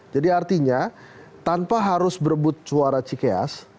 jadi artinya tanpa harus berebut suara cikas